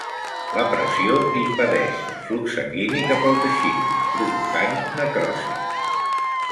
La pressió impedeix el flux sanguini cap al teixit, provocant necrosi.